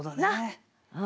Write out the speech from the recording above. うん。